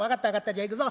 じゃあ行くぞ。